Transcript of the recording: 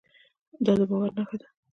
دا د باور نښه ده.